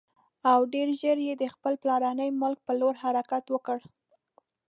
او ډېر ژر یې د خپل پلرني ملک پر لور حرکت وکړ.